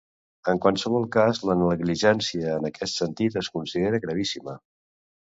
En qualsevol cas, la negligència en aquest sentit es considera gravíssima.